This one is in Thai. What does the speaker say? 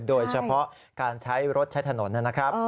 โดยเฉพาะการใช้รถใช้ถนนนะครับ